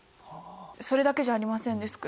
それだけじゃありませんデスク。